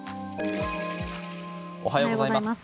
おはようございます。